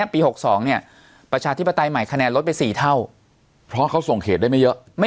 เพราะเขาส่งเขตได้ไม่เยอะ